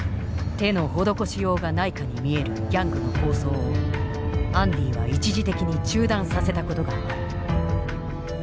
手の施しようがないかに見えるギャングの抗争をアンディは一時的に中断させたことがある。